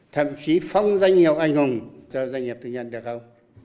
thậm chí phong danh hiệu anh hùng cho doanh nghiệp tư nhân được không